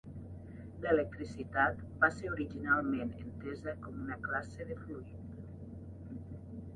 L'electricitat va ser originalment entesa com una classe de fluid.